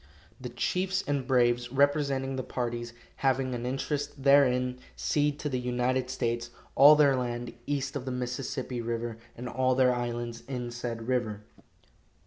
The chiefs and braves representing the parties having an interest therein cede to the United States all their land east of the Mississippi river, and all their islands in said river."